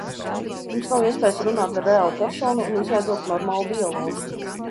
Jums nav iespējas runāt ar reālu personu un izveidot normālu dialogu.